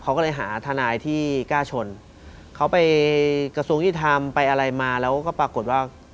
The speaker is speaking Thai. เขาก็เลยหาทนายที่กล้าชนเขาไปกระทรวงยุติธรรมไปอะไรมาแล้วก็ปรากฏว่า